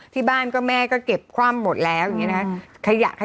ที่บ้านก็แม่ก็เก็บคว่ำหมดแล้วอย่างนี้นะคะ